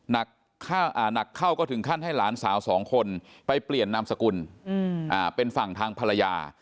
หนักเข้าก็ถึงขั้นให้หลานสาวสองคนไปเปลี่ยนนามสกุลเป็นฝั่งทางภรรยา